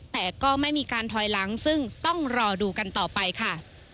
แต่ก็ไม่มีการถอยหลังซึ่งต้องรอดูกันต่อไปค่ะ